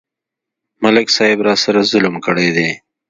ملک صاحب راسره ظلم کړی.